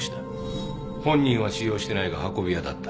本人は使用してないが運び屋だった。